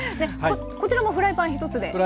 こちらもフライパン１つで？